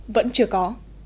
vẫn chưa có